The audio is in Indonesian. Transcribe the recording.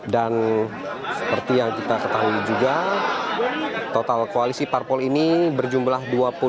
dan seperti yang kita ketahui juga total koalisi parpol ini berjumlah dua puluh sembilan